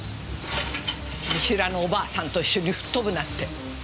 見知らぬおばあさんと一緒に吹っ飛ぶなんて